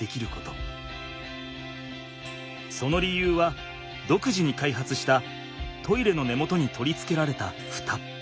その理由はどくじに開発したトイレの根元に取りつけられたフタ。